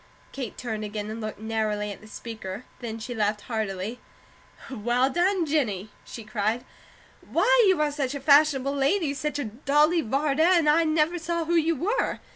Kate turned again, and looked narrowly at the speaker. Then she laughed heartily. "Well done, Jennie!" she cried. "Why, you are such a fashionable lady, such a Dolly Varden, I never saw who you were.